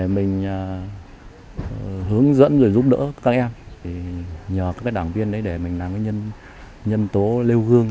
mình hướng dẫn và giúp đỡ các em nhờ các đảng viên để mình làm nhân tố lêu gương